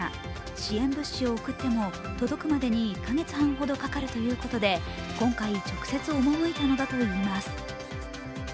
支援物資を送っても届くまでに１か月半かかるということで、今回、直接、赴いたのだといいます。